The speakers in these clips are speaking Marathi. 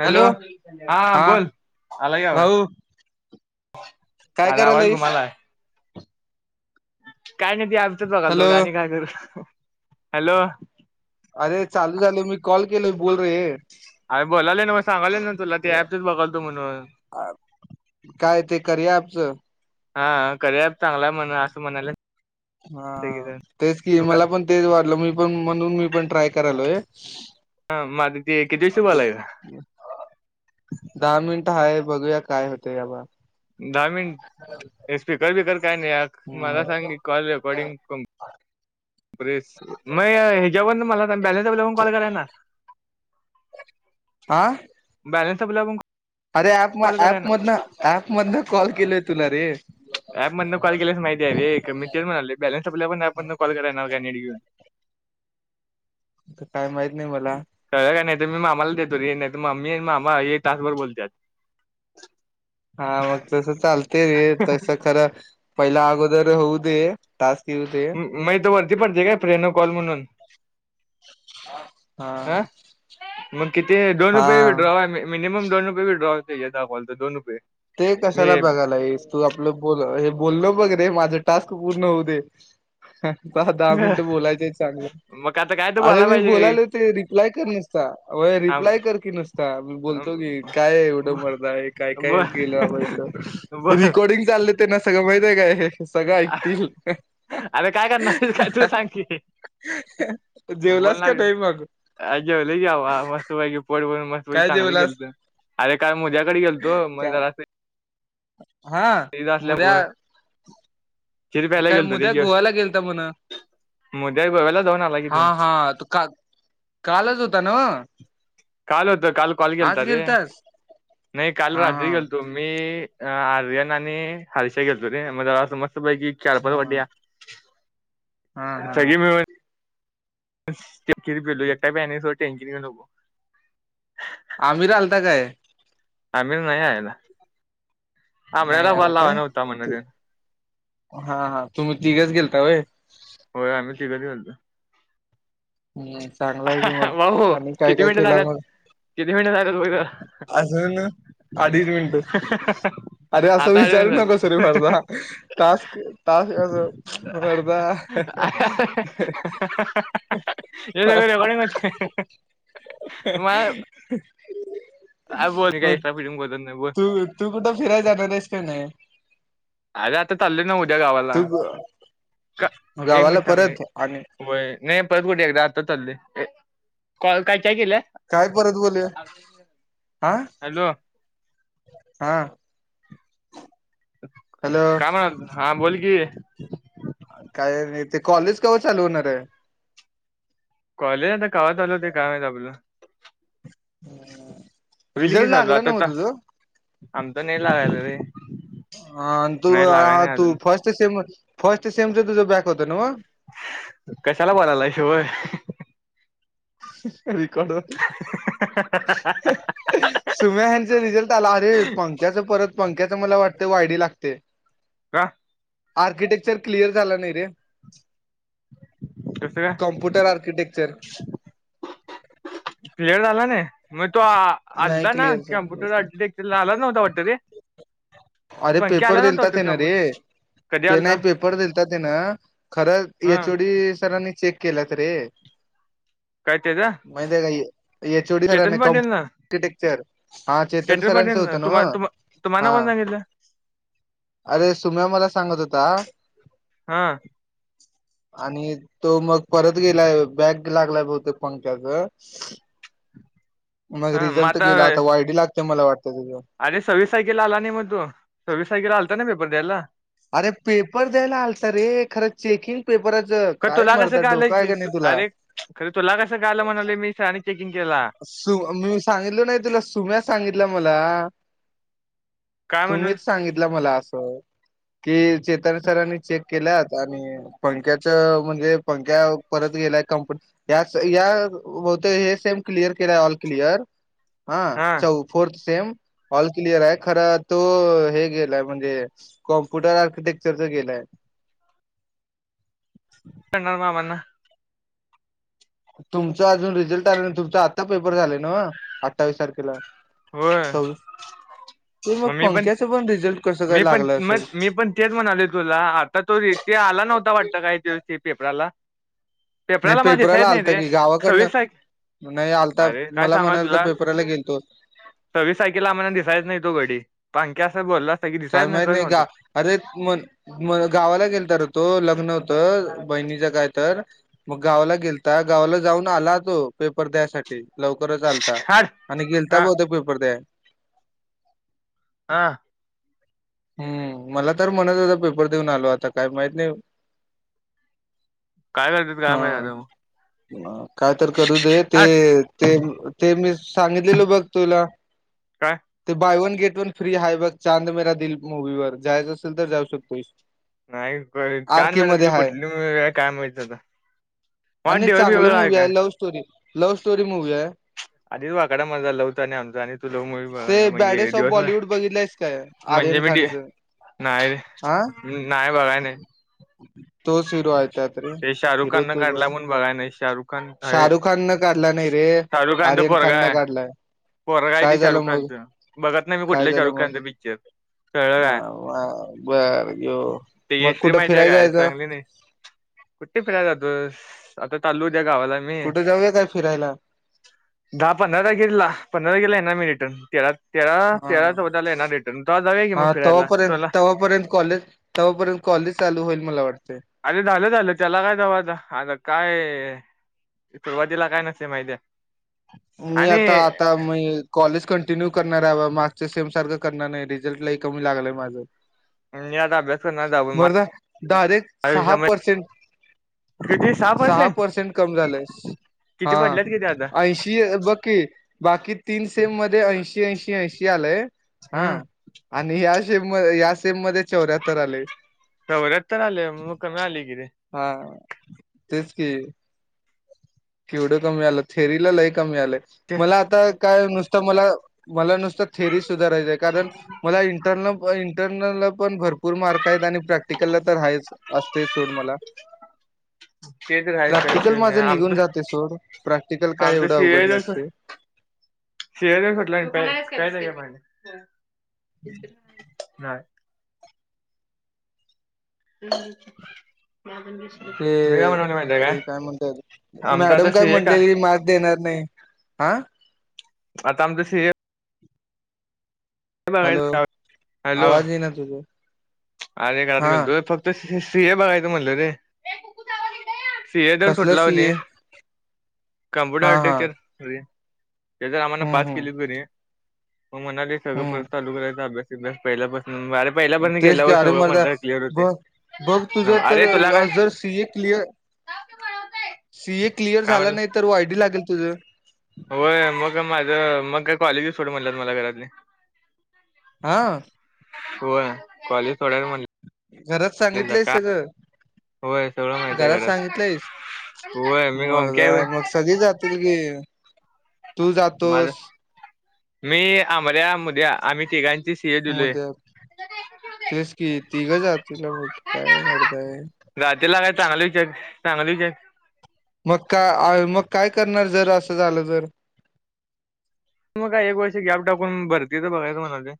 हॅलो, हा बोल आलाय की आवाज, भाऊ काय आला आवाज करायलास घुमाला आहे. काय नाहीती आज बघाल हॅलो बोघा आणि काय करू हॅलो ेलो बोल रे अर बोले ना मग सांगाले ना तुला ते ऍपच बघाल तो म्हणून काय ते करूया ॲपच हा करया हा तू तेच कि मला काय पण तेच वाटलं मी पण म्हणून मी पण ट्राय करालो आहे ह् ह माझ ते केजशी बोलायला दहा मिनिट हाय बघूया काय होते याबा दहा मिनट स्पीकर बी कर काय नाही मला हम्म सांग कॉल रेकॉर्डिंग बेस मग हच्यावर मला बॅलनस कॉल कराय ना आह बॅनस आपला कॉल कराय ऍप मधन ना ऍप मधन कॉल केलोय तुला रे प म कॉल केल्यास माहिती आहे मी तेच म्हणाले बॅलन्स आपल्या पणप कॉल कराय का [inaudible] काय माहिित कळ काय नाही मी मामाला देतो रे नाही तर मम्मी आणि मामा हे तासभर बोलते हा मग तस चालते रे तस खरं पहिला होऊत मग तर वरती पडते काय फेनो कॉल म्हणून हा मग किती दोन रुपये हा विड्रॉवा आहे मिनिमम दोनो पेड्रॉ होते यॉल दोनो पे ते कशाला बघाला आहेस तू आपलं ब हे बोलल बघ माझ टास्क पूर्ण हो दे दहा दहा मिनिट बोलायचे चांगलं मग आता काय तर अरे बोलायला मी पाहिजे बोलायले होते रिप्लाय कर नसता रिप्लाय कर की नसता बोलतो घे काय एवढं मर्दा हे काय, काय बर गेल्यावहित रेिकॉर्डिंग चालय तेना सगळं माहित आहे काय? सगळं ऐकतील. आरे काय करणार हाईस काय तू सांग कि जेवलास बोलणा का नाही मग आ जेवलो की बाबा मस्तपैकी पोट व्हय काय चांगलं जेवलास केलत आरे काय मुद्द्याकड गेलतो मग काय जरास [inaudible] हा मुदयाळ खिर प्यायला गेलतो रे जेवून. मुद्या गोव्याला जाऊन आला की हा तो हा तू का कालच होता नव्ह. काल होत. काल कॉल आज केलता रे गेलतास नाही काल हा हा रात्री गेलतो मी आर्यन आणि हर्षा गेलतो रे म जरासं म स्त पैकी चार- पाच हा वाट्या हा हा सगळी मिळून [unintelligible] ते खीर पिलो एकटा प्यायला नाही सोड टेन्शन घेऊ नकोस. अमित आलता काय? आमिर नाही यायला नाही आमऱ्याला कॉल याला काय लावा नव्हता म्हणत ते. हा, हा तुम्ही तिघच गेलता होय? होय आम्ही तिघच गेलतो. चांगला आहे की मग भाऊ आणि काय किती काय मिनिटं केला झाल्यात मग किती मिनिटं झाल्यात बघ जरा. अजून अडीच मिनटं आरे आसं आता आठ विचारू मिनिटं नकोस रे मर्दा टास्क टास्क आस मर्दा झाल्यात हे सगळं रेकॉर्डिंग होतयं मग मग बोलत नाही बोल तू तू कुठं फिराय जाणार हायस काय नाही? अरे आता चालोय नव्ह उद्या गावाला तू क एक गावाला मिनिट थांब ये परत आणि होय नाही परत कुठं एकदा आता चाललोय. कॉल काय - - काय परत बोलूया आ? हा. हॅलो काम हाय हा बोल की काय नाही ते कॉलेज कव्हा चालू होणार हाय? कॉलेज आता कव्हा चालू होतय काय माहीत आपलं हुं. रिझल्ट लागला नव्ह तुझं? आमचा नाही लागायला रे हा आण तू नाही लागाय नाही तू अजून फर्स्ट सीम फर्स्ट सेम च तुझं ब्याक होत कशाला बोलाला शिवय - - अ् रिकॉर्ड जातोय. सुम्या हेचा रिझल्ट आला अरे पंकाच परत पंक - - क्याच मला वाटत वायडी लागतयं. का? आर्किटेक्चर क्लिअर झाला नाही रे - कसं काय - कमप्युटर आर्किटेक्चर प्लेअर झाला ना मग तो आ नाही आलता ना क्लिअर कम्प्युटर झालं आर्टिटेक्चरला आला नव्ह अरे पेपर आला नव्हता दिलता वाटतं त्यानं कम्प्यु रे, कधी आलता त्यानं पेपर दिलता त्यानं खरं ते हा एच ओ डी सरांनी चेक केलत रे काय त्याचा [unintelligible] एच ओ डी सरांना चेतन कॉम पाटील ना टेक्चर हा चेतन पाटील सरांचं होत ना हम्म तुम्हा तुम्हा तुम्हाला हा कोण सांगितलं अरे सुमी ते मला सांगत होता हा आणि तो मग परत गेलाय बॅग लागला बहुतेक पंख्याच मग रिझल्ट गेला आता वायडी लाग मला वाट अरे सव्वीस तारखेला आला नाही मग तो सव्वीस तारखेला आलता [unintelligible] अरे पेपर द्यायला आलता रे खरं चेकिंग पेपराचं का काय तुला कसं मर्दा डोक आलं आहे की का तू नाही तुला? अरे खरं तुला कसं काय आलं म्हणाले मी सरांनी चेकिंग केला सु मी सांगितल नाही तुला सुम्या सांगितलं [unintelligible] मला काय म्हणून तुम्हीच सांगितलं मला असं अह कि चेतन सरांनी चेक केल्यात आणि पंख्याच म्हणजे पंख्या परत गेल्या कंपनी याच या बहुतेक हे सेम क्लियर केलंय ऑल क्लियर हा चौ फोर्थ सेम ऑल क्लिअर आहे खर तो हे गेलाय म्हणजे कॉम्प्युटर आर्किटेक्चरच गेलाय [unintelligible] तुमचं अजून रिझल्ट आलं नाही. तुमचं आत्ता पेपर झाले ना अठ्ठावीस तारखेला. होय, सव्वीस ते मग मी पण पंख्याचं रिझल्ट कसं काय मी पण लागलं म असेल मी पण तेच म्हणाले तुला आता तो व्यक्ती आला नव्हता वाटत काही दिवस पेपराला. नाही मला दिसायच पेपराला नाही आलता रे कि सव्वीस तारखे गावाकडनं नाही आलता अरे काय मला सांगाल म्हणाल तो तुला पेपराला गेलतो. सव्वीस तारखेला आम्हाला दिसायच नाही तो गडी, [unintelligible] कस बोलता काय माहीत नाही का? अरे म म गावाला गेलता रे तो लग्न होत. तर बहिणीच काय तर मग गावला गेलता गावाला जाऊन आला तो पेपर द्यासाठी लवकर. परत आलता हाड आणि गेलता हा बहुतेक पेपर द्याय हां. हम्म मला तर म्हणत होता पेपर देऊन आलो आता काय माहित नाही. काय करतात काय माहित आता ह ह काय तर करू दे ते हाड ते ते मी सांगितलेलं बघ तुला काय ते बायवन गेट वन फ्री आहे बग. चांद मेरा दिल मुूवी वर जायच असेल तर जाऊ शकतोयस. नाही आर कान के मध्ये हाय कुठलं काय माहिती आता वाट आणि ठेवाय बी चांगलं वेळ मूवी नाही. आहे love story love story movie आहे आधीच वाकडा मजा लवचा आणि आमचा आणि तू लव मुवी ते म्हणजे बॅडेस ऑफ दिवसभर बॉलिवूड बघितलंयस काय म्हणजे आर्यन मी खानचं नाही नाही बघाय नाही. ह तो शिरू आहे. त्यात शाहरुख हिरो खान न तूझ काढला आहे म्हणून बघाय नाही शाहरुख खान आहे शाहरुख खान काढला नाही रे शाहरुख खानचं आर्यन खान पोरगा न आहे काढलाय पोरगा आहे काय ते झालं शाहरुख मग खानचं बघत नाही मी काय कुठलं झालं शाहरुख मग खानचं पिक्चर कळलं काय बर ये मग कुठे त्या काय चांगली नाही. कुठे फिरायला जातोस आता चाललोय. त्या गावाला मी कुठं जाऊया काय फिरायला दहा पंधरा गेला पंधरा गेला ना मी तेलात हा जाऊया की हा मग फिरायला तेव्हापर्यंत चला तेव्हापर्यंत कॉलेज तेव्हापर्यंत कॉलेज चालू होईल म लगेच अरे झालं झालं त्याला काय दावायच. काय सुरुवातीला काय नसते माहिती आहे. मी आता आता मी कॉलेज कंटिन्यू करणार भावा मार्क्सच्या सेम सारखं करणार. नाही रिझल्ट लाही कमी लागलंय. माझं मी आता अभ्यास करणार जाऊन मर्दा डायरेक्ट सहा पर्सेंट आयष्यामध्ये किती सहा पर्सेंट किती पडलेत किती आता शी हे बग की बाकी तीन सेम मध्ये ऐंशी ऐंशी ऐंशी आलंय. हम्म हा आणि [unintelligible] [unintelligible] या सेममध्ये चौऱ्याहत्तर आले मग कमी आले कि रे हा तेच कि केवढं कमी आलं थेरीला लय कमी आले ते मला आता काय नुस त मला मला नुसत थेरी सुधारायचं ये कारण मला इंटरनल इंटरनल ला पण भरपूर मार्कयत आणि प्रॅक्टिकलला तर हायच असतयच सोड मला ते प्रॅक्टिकल माझं निघून जाते [unintelligible] सोड प्रॅक्टिकल काय आमच्या एवढं सी ए. अवघड [unintelligible] [unintelligible] [unintelligible] नसते [unintelligible] [inaudible] ते मी काय म्हणाले माहितीय अरे काय म्हणत आमचं मॅडम आता काय सीए का म्हणलेली मार्क्स देणार नाही. आता आमचं सीए बघायचं हॅलो आवाज येईना तुझ. अर एक [unintelligible] फक्त सी ये बघायचं म्हणलं रे. [unintelligible] सी ए तर कसलं सुटला सी होणे ए कमप्युटर हा हा आर्टिटेक्चर त्याचा आम्हाला हम्म पाच हम्म किलो कनी मग म्हणाले सगळं परत हम्म चालु करायाचा अभ्यास सिलॅबस पहिल्यापासून आणि पहिल्या पण नाही. [unintelligible] बुक तुझा तर अरे तुला काय जर C A clear C A clear काय झाल म्हणलं? नाही तर वाय डी लागेल तुझ. होय मग मा तर मग काय कॉलेजच सोड म्हणल्यात मला घरातले. हा. होय कॉलेज सोडायला घरात म्हणले सांगितलंयस का सगळं होय सगळं माहिती घरात आहे सांगितलंयस होय मी ओमक्या आहे मजा होय. म गसगळी जातील की तू माझ जातोस मी अमर्या मुद्या तेच कि तिघं जातीला काय वाडताये. रातेला काय चांगलं [unintelligible] मका आय म काय करणार जर असं झालं तर? मग काय एक वर्ष गॅप टाकून भरतीच बघायचं म्हणलोय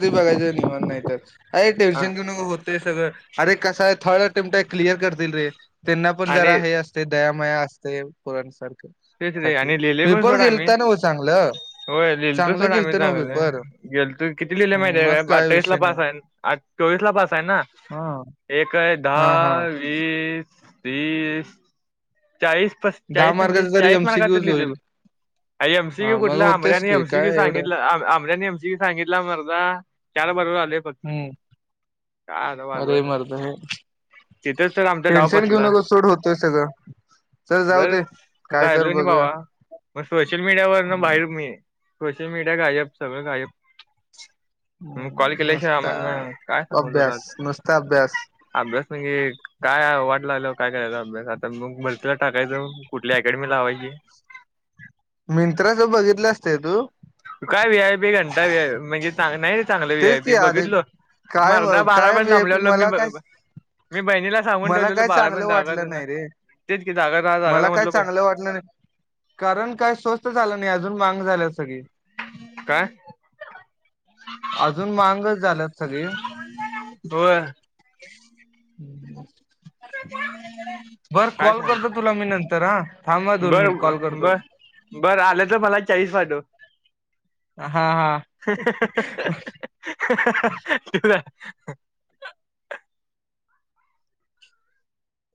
ते बघायचं निवांत नाहीतर. अरे टेन्शन घेऊ नकोस ते सगळं अरे कस आहे थर्ड टीम आहे क्लिअर करतील रे त्यांना पण आणि जरा हे असतय दया मया असत पुरणसारख तेच रे साठी आणि लिहिले पण पेपर सोड आम्ही गेलता नव चांगलं चांगलं गेलत नव पेपर. गेल तू किती लिहिले हम्म, माहितीे मग का काय अठ्ठावीस ला विषय पास नाही आहे चोवीस ला पास आहे ना हा एक. हा हा दहा वीस तीस चाळीस पस दहा चाळीस पंचेचाळीस मार्गाचा तरी चाळीस मार्कच एमसीक्यूच लिहिलय होईल बघ एमसी हा क्यू मग कुठल होतेच आमऱ्याने की एमसी क्यू काय आमऱ्याने एवढं सांगितला मर्दा आम एमसी क सांगितला मर्दा चार बरोबर आलय फक्त हम्म काय आता अरे वाजवायचं मर्दा हे तिथेच तर आमचा टेन्शन घेऊ नकोस सोड होतय सगळं. चल जाऊ दे बस काय तर राहिलो की भावा बघूया मग सोशल मीडियावर बाहेर मी सोशल मीडिया गायब सगळं गायब मग कॉल हम्म, केल्याशिवाय नुसता आम्हना काय सांगू तुला अभ्यास नुसता अभ्यास अभ्यास न की काय वाट लागल्या काय करायचं अभ्यास आता मग त टाकायचं कुठल्या अकॅडमी लावायची म बघितलं असतंय तू काय वी आय पी घंटा व्या म्हणजे चां नाही चांगलं व्ही तेच आय की पी अरे बघितलो काय मर्दा बारा काय पर्यंत थांबलेलो मी मला काय मी बहिणीला सांगून मला ठेवलेलो काय बारा चांगलं पर्यंत जागा वाटलं तर नाही रे तेच की जागा राहा जागा मला राहा काय म्हणलो बहीण चांगलं वाटलं नाही कारण काय स्वस्त झालं नाही अजून. [unintelligible] सगळी काय अजून मांगच झाल्यात सगळे होय [unintelligible] बर काय कॉल करतो तुला मी नंतर हा थांबा सांग दोन बर मिनिट ब कॉल करतो ब बर आलं तर मला चाळीस पाठव हा हा [unintelligible] [inaudible]